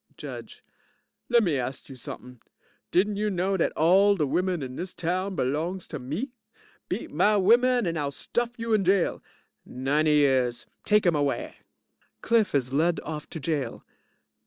JUDGE Lemme ast you something. Didn't you know dat all de women in dis town belongs to me? Beat my women and I'll stuff you in jail. 90 years. Take 'im away. (CLIFF is led off to jail.